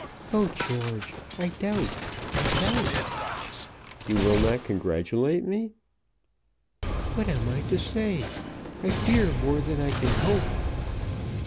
"Oh, George, I doubt, I doubt." "You will not congratulate me?" "What am I to say? I fear more than I can hope."